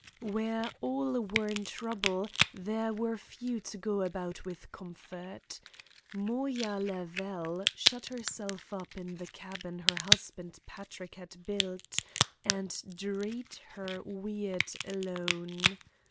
Where all were in trouble there were few to go about with comfort. Moya Lavelle shut herself up in the cabin her husband Patrick had built, and dreed her weird alone.